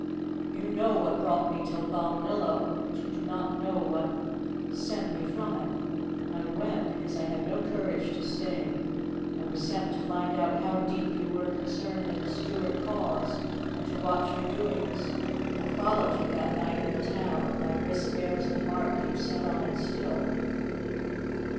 "You know what brought me to Balnillo, but you do not know what sent me from it. I went because I had no courage to stay. I was sent to find out how deep you were concerned in the Stuart cause and to watch your doings. I followed you that night in the town, and my wrist bears the mark you set on it still.